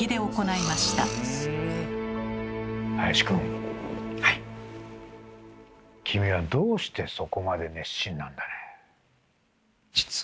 君はどうしてそこまで熱心なんだね？